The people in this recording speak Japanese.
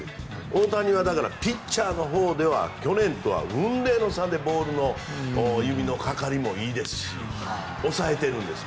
大谷は、ピッチャーのほうでは去年とは雲泥の差でボールの指のかかりもいいですし抑えているんです。